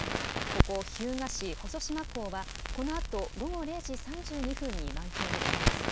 ここ日向市細島港は、このあと午後０時３２分に満潮を迎えます。